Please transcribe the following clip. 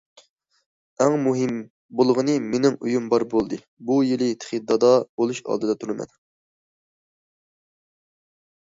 ئەڭ مۇھىم بولغىنى مېنىڭ ئۆيۈم بار بولدى، بۇ يىلى تېخى دادا بولۇش ئالدىدا تۇرىمەن.